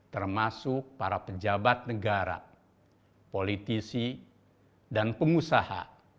termasuk para pejabat negara politisi dan pengusaha